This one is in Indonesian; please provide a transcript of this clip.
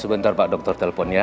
sebentar pak dokter telpon ya